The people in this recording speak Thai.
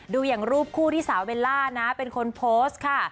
ดูอย่างรูปคู่ที่สาวเบลล่านะเป็นคนโพสต์ค่ะ